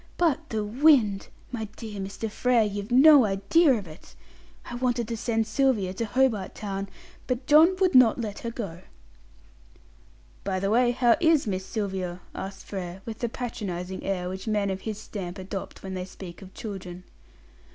But the wind! My dear Mr. Frere, you've no idea of it; I wanted to send Sylvia to Hobart Town, but John would not let her go." "By the way, how is Miss Sylvia?" asked Frere, with the patronising air which men of his stamp adopt when they speak of children.